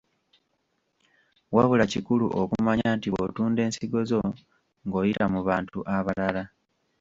Wabula kikulu okumanya nti bw’otunda ensigo zo ng’oyita mu bantu abalala.